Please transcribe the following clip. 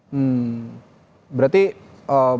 hmm berarti pernah ada catatan penjagaan